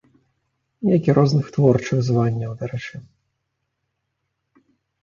Як і розных творчых званняў, дарэчы.